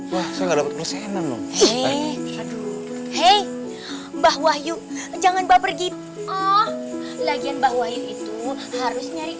wah saya dapat persenan loh hei hei bahwa yuk jangan pergi ah lagian bahwa itu harus nyari